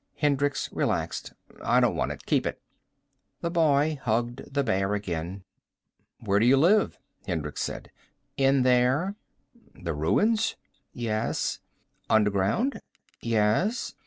Hendricks relaxed. "I don't want it. Keep it." The boy hugged the bear again. "Where do you live?" Hendricks said. "In there." "The ruins?" "Yes." "Underground?" "Yes."